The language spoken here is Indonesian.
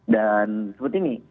dan seperti ini